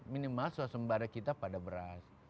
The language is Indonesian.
minimal suasembada kita pada beras